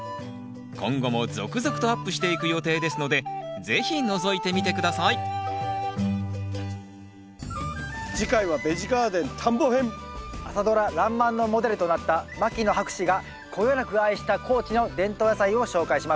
今後も続々とアップしていく予定ですので是非のぞいてみて下さい朝ドラ「らんまん」のモデルとなった牧野博士がこよなく愛した高知の伝統野菜を紹介します。